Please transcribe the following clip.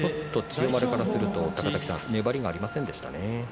千代丸からすると粘りがありませんでしたね。